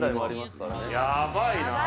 「やばいな」